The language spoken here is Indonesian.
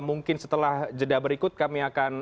mungkin setelah jeda berikut kami akan